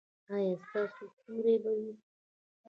ایا ستاسو سیوری به وي؟